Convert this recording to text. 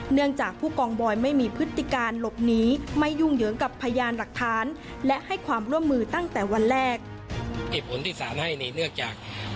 เนื่องจากผู้กองบอยไม่มีพฤติการหลบหนีไม่ยุ่งเหยิงกับพยานหลักฐานและให้ความร่วมมือตั้งแต่วันแรก